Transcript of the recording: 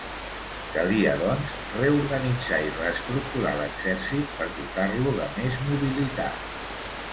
Calia doncs reorganitzar i reestructurar l'exèrcit per dotar-lo de més mobilitat.